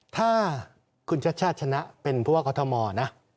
ถ้าคุณชัดชาติชนะเป็นผู้ว่ากอทมนะ